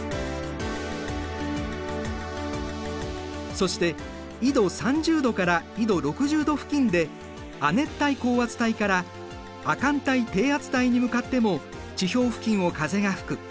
そして緯度３０度から緯度６０度付近で亜熱帯高圧帯から亜寒帯低圧帯に向かっても地表付近を風が吹く。